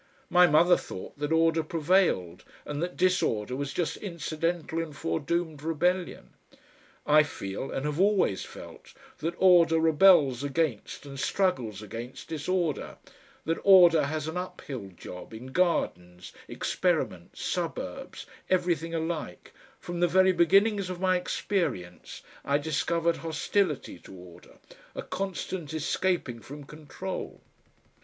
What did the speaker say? My mother thought that Order prevailed, and that disorder was just incidental and foredoomed rebellion; I feel and have always felt that order rebels against and struggles against disorder, that order has an up hill job, in gardens, experiments, suburbs, everything alike; from the very beginnings of my experience I discovered hostility to order, a constant escaping from control.